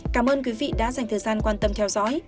cảm ơn quý vị đã dành thời gian quan tâm theo dõi